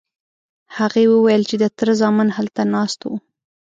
هغې وویل چې د تره زامن هلته ناست وو.